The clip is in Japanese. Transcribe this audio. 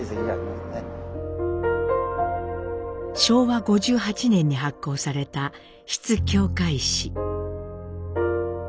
昭和５８年に発行された「出津教会誌」。